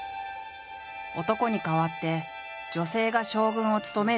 男に代わって女性が将軍を務める世界を描く。